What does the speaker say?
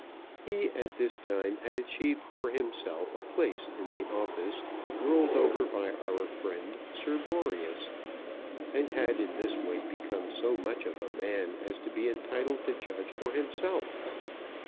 He at this time had achieved for himself a place in the office ruled over by our friend Sir Boreas, and had in this way become so much of a man as to be entitled to judge for himself.